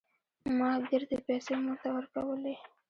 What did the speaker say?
ما ګردې پيسې مور ته ورکولې.